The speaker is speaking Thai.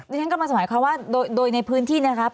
ด้วยนั้นก็มาสมัยว่าโดยในพื้นที่นะครับ